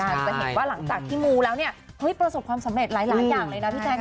จะเห็นว่าหลังจากที่มูแล้วเนี่ยเฮ้ยประสบความสำเร็จหลายอย่างเลยนะพี่แจ๊ค